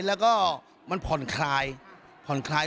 แล้วก็มันผ่อนคลายผ่อนคลาย